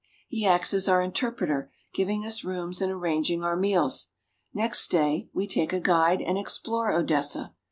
He acts as our interpreter, giving us our rooms 314 RUSSIA. and arranging our meals. Next day we take a guide and explore Odessa.